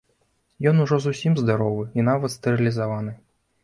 Ён ужо зусім здаровы і нават стэрылізаваны.